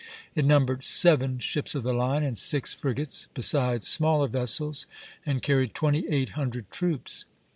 It numbered seven ships of the line and six frigates, besides smaller vessels, and carried twenty eight hundred troops.